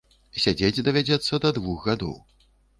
Сядзець давядзецца да двух гадоў.